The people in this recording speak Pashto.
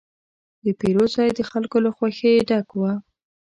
د پیرود ځای د خلکو له خوښې ډک و.